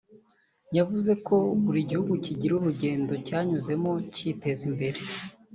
yavuze ko buri gihugu kigira urugendo cyanyuzemo cyiteza imbere